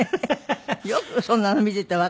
よくそんなの見ていてわかるよね。